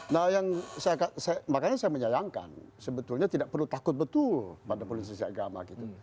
nah makanya saya menyayangkan sebetulnya tidak perlu takut betul pada politik sisi agama gitu